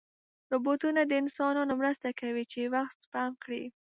روبوټونه د انسانانو مرسته کوي چې وخت سپم کړي.